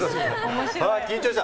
緊張した。